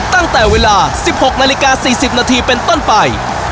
ตั้งแต่เวลา๑๖นาฬิกา๔๐นาทีเป็นต้นไป